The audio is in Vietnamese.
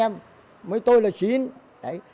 mới tôi là chín